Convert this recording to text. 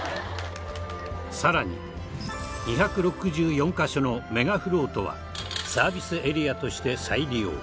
さらに２６４カ所のメガフロートはサービスエリアとして再利用。